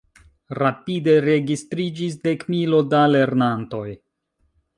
Rapide registriĝis dekmilo da lernantoj.